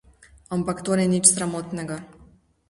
Ampak to ni nič sramotnega.